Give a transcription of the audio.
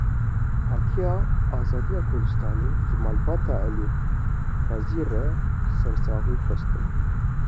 Partiya Azadiya Kurdistanê ji malbata Elî Qazî re sersaxî xwestin.